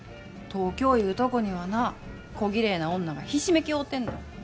東京いうとこにはなこぎれいな女がひしめき合うてんねん。